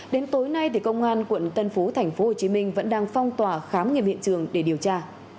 đến tối nay công an quận tân phú tp hcm vẫn đang phong tỏa khám nghiệm hiện trường để điều tra